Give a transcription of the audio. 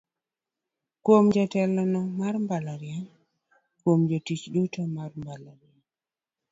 "Kuom: Jatelono mar mbalariany, Kuom: Jotich duto mag mbalariany".